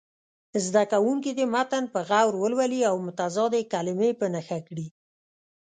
زده کوونکي دې متن په غور ولولي او متضادې کلمې په نښه کړي.